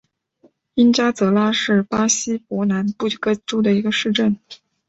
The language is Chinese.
因加泽拉是巴西伯南布哥州的一个市镇。